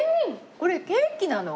これケーキなの？